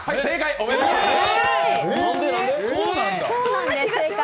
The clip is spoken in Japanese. おめでとうございます。